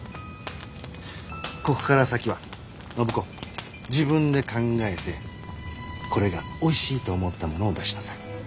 ここから先は暢子自分で考えてこれがおいしいと思ったものを出しなさい。